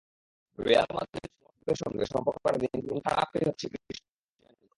Real Madrid সমর্থকদের সঙ্গে সম্পর্কটা দিনকে দিন দিন খারাপই হচ্ছে ক্রিস্টিয়ানো রোনালদোর।